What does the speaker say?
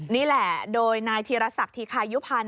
นี่แหละโดยนายธีรศักดิคายุพันธ์